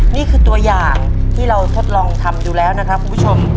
นี่คือตัวอย่างที่เราทดลองทำดูแล้วนะครับคุณผู้ชม